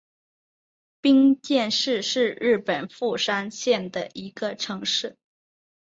冰见市是日本富山县的一个城市。